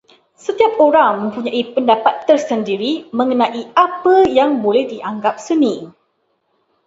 Setiap orang mempunyai pendapat tersendiri mengenai apa yang boleh dianggap seni.